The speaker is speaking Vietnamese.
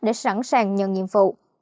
để sẵn sàng nhận nhiệm vụ